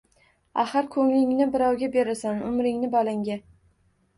Axir, ko‘nglingni birovga berasan, umringni − bolangga